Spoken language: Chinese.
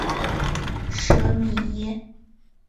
舍米耶。